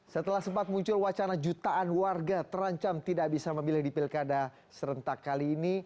setelah sempat muncul wacana jutaan warga terancam tidak bisa memilih di pilkada serentak kali ini